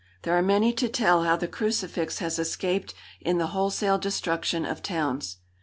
There are many to tell how the crucifix has escaped in the wholesale destruction of towns.